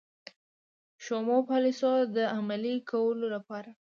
شومو پالیسیو د عملي کولو لپاره.